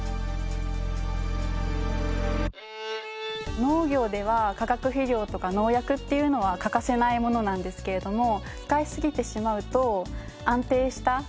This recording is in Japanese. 農業では化学肥料とか農薬っていうのは欠かせないものなんですけれども使いすぎてしまうと。